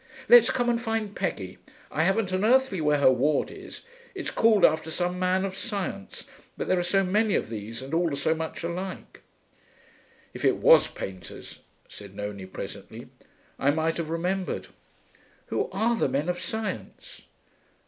'Let's come and find Peggy. I haven't an earthly where her ward is. It's called after some man of science.' But there are so many of these, and all so much alike. 'If it was painters,' said Nonie presently, 'I might have remembered. Who are the men of science?'